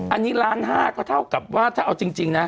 อันนี้ล้านห้าก็เท่ากับว่าถ้าเอาจริงนะ